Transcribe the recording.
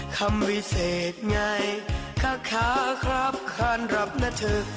คำวิเศษไงค่ะครับค่านรับนะเธอ